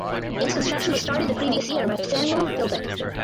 Its construction was started the previous year by Samuel Philbrick.